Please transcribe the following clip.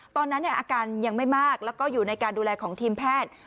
ตอนนั้นอาการยังไม่มากแล้วก็อยู่ในการดูแลของทีมแพทย์